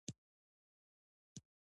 افغانستان په پکتیکا غني دی.